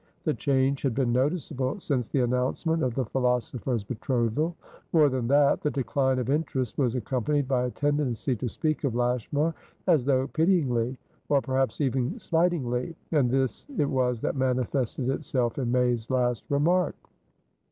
The change had been noticeable since the announcement of the philosopher's betrothal. More than that; the decline of interest was accompanied by a tendency to speak of Lashmar as though pityingly, or perhaps even slightingly; and this it was that manifested itself in May's last remark.